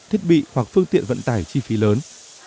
thiết bị hoặc phương tiện vận tải chi phí lớn